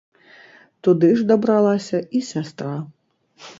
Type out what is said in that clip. Туды ж дабралася і сястра.